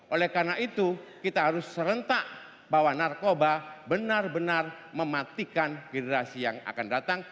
oleh karena itu kita harus serentak bahwa narkoba benar benar mematikan generasi yang akan datang